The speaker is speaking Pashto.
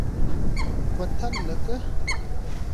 متل لکه